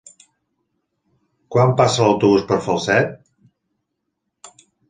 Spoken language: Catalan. Quan passa l'autobús per Falset?